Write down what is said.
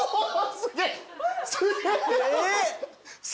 すげえ！